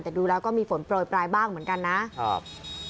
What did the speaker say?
แต่ดูแล้วก็มีฝนโปรยปลายบ้างเหมือนกันนะครับ